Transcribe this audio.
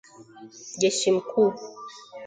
jeshi mkuu